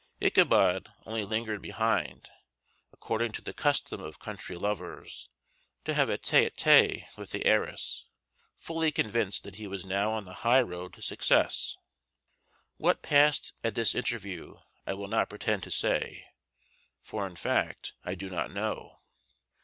Ichabod only lingered behind, according to the custom of country lovers, to have a tete a tete with the heiress, fully convinced that he was now on the high road to success. What passed at this interview I will not pretend to say, for in fact I do not know.